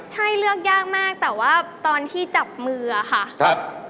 ใช่เลือกยากมากแต่ว่าตอนที่จับมือค่ะครับ